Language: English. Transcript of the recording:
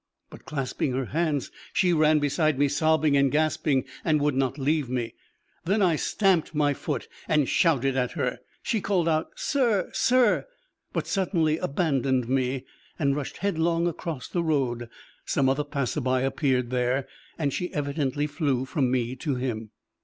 But clasping her hands, she ran beside me sobbing and gasping, and would not leave me. Then I stamped my foot, and shouted at her. She called out "Sir! sir!..." but suddenly abandoned me and rushed headlong across the road. Some other passer by appeared there, and she evidently flew from me to him.